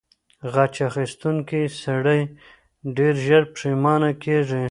غچ اخیستونکی سړی ډیر ژر پښیمانه کیږي.